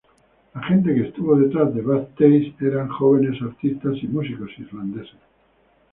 La gente que estuvo detrás de Bad Taste eran jóvenes artistas y músicos islandeses.